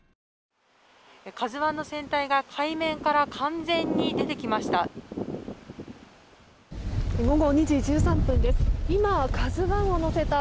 「ＫＡＺＵ１」の船体が海面から完全に出てきました。